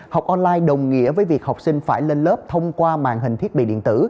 học online đồng nghĩa với việc học sinh phải lên lớp thông qua màn hình thiết bị điện tử